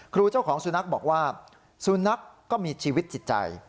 เจ้าของสุนัขบอกว่าสุนัขก็มีชีวิตจิตใจ